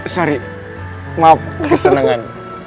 maaf maaf kesenangan